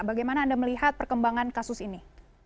bagaimana anda melihat perkembangan kasus ini